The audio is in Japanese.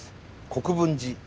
国分寺。